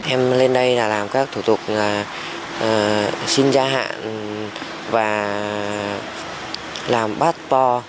em lên đây là làm các thủ tục là xin gia hạn và làm passport